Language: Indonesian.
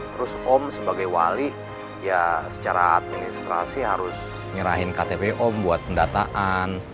terus om sebagai wali ya secara administrasi harus nyerahin ktp om buat pendataan